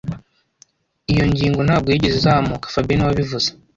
Iyo ngingo ntabwo yigeze izamuka fabien niwe wabivuze